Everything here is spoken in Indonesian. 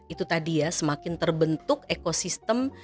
itu tadi ya semakin terbentuk ekosistem